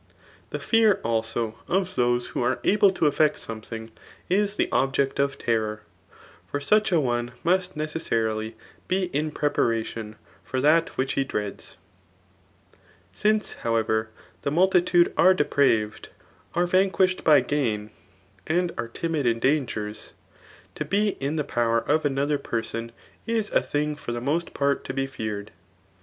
The fev^ also, of those who are able to effect something is the object of terror ; for sudi a one must necessarily be in preparation []for that which liedoeads»3 • Since, however, the multitudd are dcprasred, are vw quished by gain, and are timid in dan^gen, to be in iIm power of another person is a thmg for the diost pttt:to be feared.